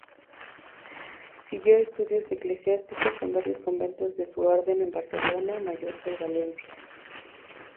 Siguió estudios eclesiásticos en varios conventos de su orden en Barcelona, Mallorca y Valencia.